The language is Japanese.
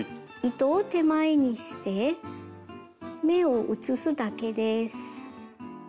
糸を手前にして目を移すだけです。